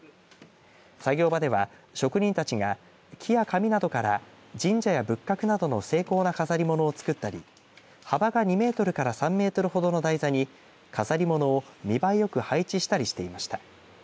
作業場では職人たちが木や紙などから神社や仏閣などの精巧な飾り物を作ったり幅が２メートルから３メートルほどの台座に飾り物を見栄えよく配置したりしていました。